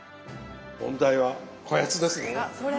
問題はこやつですね。